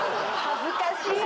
恥ずかしい。